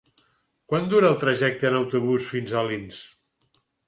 Quant dura el trajecte en autobús fins a Alins?